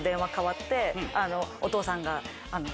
お父さんが。